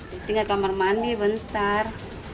ditinggal kamar mandi bentar